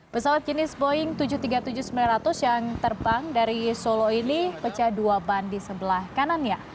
pesawat jenis boeing tujuh ratus tiga puluh tujuh sembilan ratus yang terbang dari solo ini pecah dua ban di sebelah kanannya